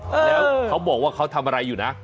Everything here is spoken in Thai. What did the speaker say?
แล้วเขาบอกว่าเขาทำอะไรอยู่นะ